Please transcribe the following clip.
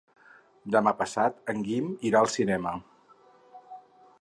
Demà passat en Guim irà al cinema.